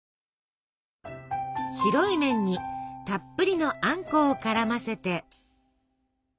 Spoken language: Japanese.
白い麺にたっぷりのあんこを絡ませて。